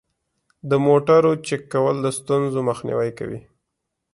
د موټرو چک کول د ستونزو مخنیوی کوي.